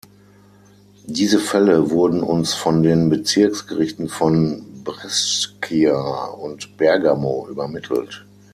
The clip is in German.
Diese Fälle wurden uns von den Bezirksgerichten von Brescia und Bergamo übermittelt.